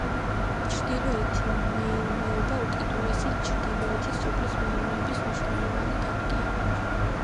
ჩრდილოეთი მეირმეობა უკიდურესი ჩრდილოეთი სოფლის მეურნეობის მნიშვნელოვანი დარგია.